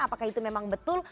apakah itu memang betul